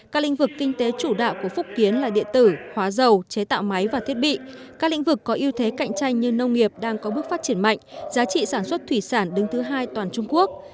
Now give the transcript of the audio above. các lĩnh vực kinh tế chủ đạo của phúc kiến là điện tử hóa dầu chế tạo máy và thiết bị các lĩnh vực có ưu thế cạnh tranh như nông nghiệp đang có bước phát triển mạnh giá trị sản xuất thủy sản đứng thứ hai toàn trung quốc